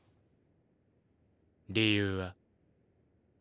理由は？